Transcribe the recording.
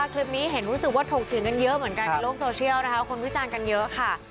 คลิปนี้เห็นรู้สึกว่าถกเถียงกันเยอะเหมือนกันในโลกโซเชียลนะคะคนวิจารณ์กันเยอะค่ะ